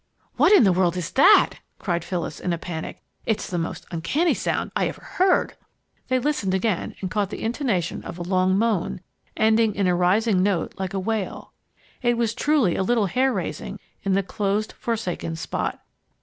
"What in the world is that?" cried Phyllis, in a panic. "It's the most uncanny sound I ever heard!" They listened again and caught the intonation of a long moan, ending in a rising note like a wail. It was truly a little hair raising in the closed, forsaken spot.